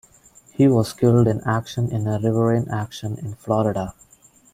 He was killed in action in a riverine action in Florida.